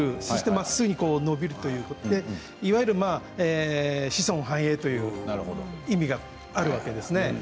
そしてまっすぐ伸びるということでいわゆる子孫繁栄という意味があるわけですね。